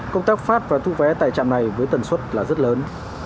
công tác phát và thu vé tại trạm này với tần suất là rất lớn